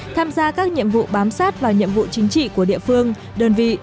tham gia các nhiệm vụ bám sát vào nhiệm vụ chính trị của địa phương đơn vị